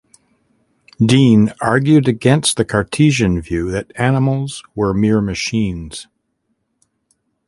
Dean argued against the Cartesian view that animals were mere machines.